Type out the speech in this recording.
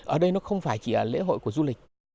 ở đây nó không phải chỉ là lễ hội của du lịch